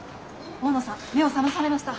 大野さん目を覚まされました。